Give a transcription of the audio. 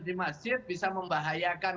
di masjid bisa membahayakan